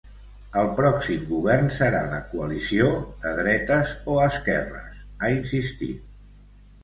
El pròxim govern serà de coalició, de dretes o esquerres, ha insistit.